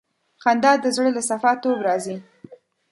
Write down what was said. خندا د زړه له صفا توب راځي.